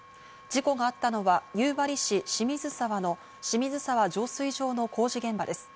事故があったのは夕張市清水沢の清水沢浄水場の工事現場です。